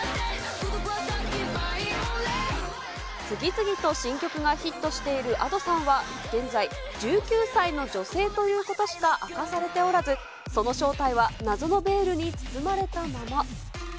次々と新曲がヒットしているＡｄｏさんは、現在１９歳の女性ということしか明かされておらず、その正体は謎のベールに包まれたまま。